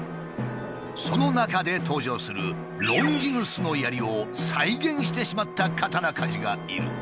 その中で登場する「ロンギヌスの槍」を再現してしまった刀鍛冶がいる。